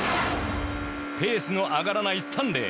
ペースの上がらないスタンレー。